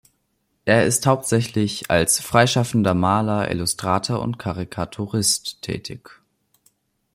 Er ist hauptsächlich als freischaffender Maler, Illustrator und Karikaturist tätig.